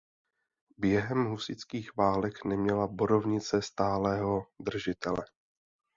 Během husitských válek neměla Borovnice stálého držitele.